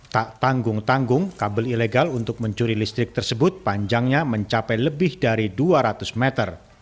tak tanggung tanggung kabel ilegal untuk mencuri listrik tersebut panjangnya mencapai lebih dari dua ratus meter